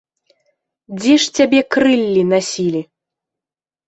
Дзе ж цябе крыллі насілі?